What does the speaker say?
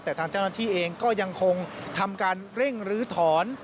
แต่ทางเจ้าหน้าที่เองก็ยังคงทำการเร่งรื้อถอน